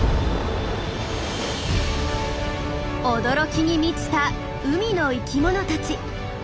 驚きに満ちた海の生きものたち。